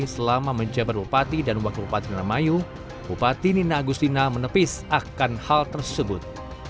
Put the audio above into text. sama menjabat upati dan wakil upati indramayu upati nina agustina menepis akan hal tersebut